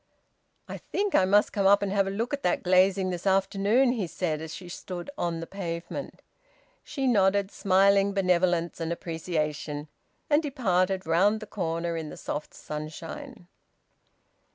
"I think I must come up and have a look at that glazing this afternoon," he said, as she stood on the pavement. She nodded, smiling benevolence and appreciation, and departed round the corner in the soft sunshine.